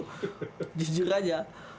tadi gue ngeliatin aja